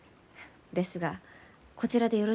ですがこちらでよろしいのですか？